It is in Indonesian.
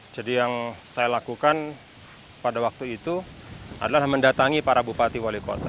jadi yang saya lakukan pada waktu itu adalah mendatangi para bupati wali kota